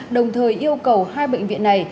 đồng thời yêu cầu hai bệnh viện này